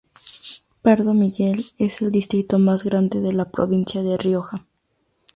Pardo Miguel es el distrito más grande de la provincia de Rioja.